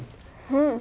うん。